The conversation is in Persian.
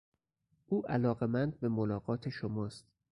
او علاقمند به ملاقات شماست.